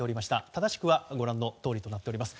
正しくはご覧のとおりとなっております。